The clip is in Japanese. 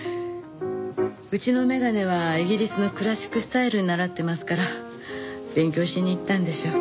うちの眼鏡はイギリスのクラシックスタイルに倣ってますから勉強しに行ったんでしょう。